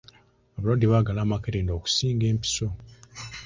Abalwadde baagala amakerenda okusinga empiso.